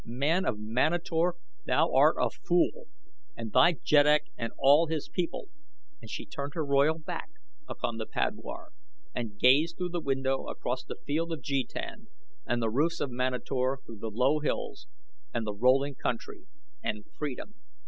Man of Manator, thou art a fool, and thy jeddak and all his people," and she turned her royal back upon the padwar, and gazed through the window across the Field of Jetan and the roofs of Manator through the low hills and the rolling country and freedom.